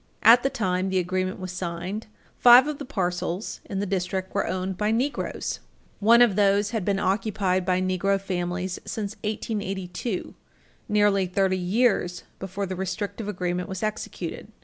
At the time the agreement was signed, five of the parcels in the district were owned by Negroes. One of those had been occupied by Negro families since 1882, nearly thirty years before the restrictive agreement was executed.